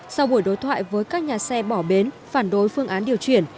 sau buổi đối thoại với các nhà xe bỏ bến phản đối phương án điều chuyển